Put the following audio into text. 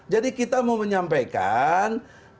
jadi kita mau menyampaikan